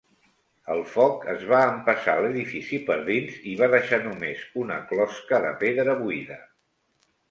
El foc es va empassar l'edifici per dins i va deixar només una closca de pedra buida.